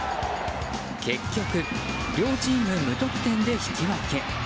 結局、両チーム無得点で引き分け。